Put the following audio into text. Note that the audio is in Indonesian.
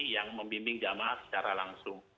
yang membimbing jamaah secara langsung